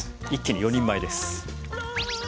一気に４人前です。